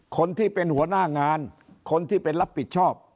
คนที่เป็นหัวหน้างานคนที่เป็นรับผิดชอบ